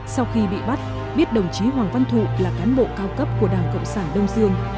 sau khi bị bắt biết đồng chí hoàng văn thụ là cán bộ cao cấp của đảng cộng sản đông dương